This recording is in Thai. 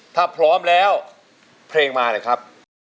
ถ้าพร้อมแล้วเพลงมาเลยครับ